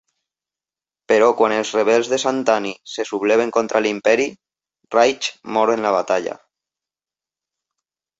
Però quan els rebels de Santanni se subleven contra l'imperi, Raych mor en la batalla.